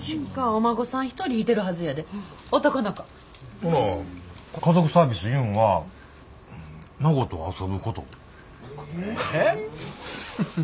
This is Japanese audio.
ほな家族サービスいうんは孫と遊ぶことか。